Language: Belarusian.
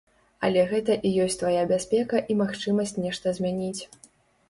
Але гэта і ёсць твая бяспека і магчымасць нешта змяніць.